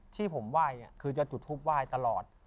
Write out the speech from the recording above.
ที่ผมไหว่เนี่ยคือจะจุดถูปไหว่ตลอด